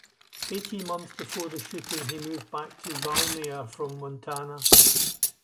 Eighteen months before the shooting, he moved back to Valmeyer from Montana.